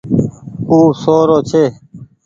او سو رو ڇي۔